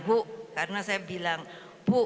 bukit raise j bildiet ya buk